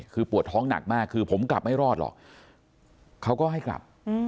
คือปวดท้องหนักมากคือผมกลับไม่รอดหรอกเขาก็ให้กลับ